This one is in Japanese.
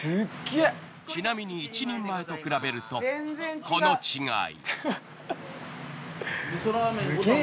ちなみに一人前と比べるとこの違い。